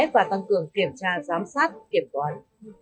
và tăng cường kiểm tra giám sát kiểm toán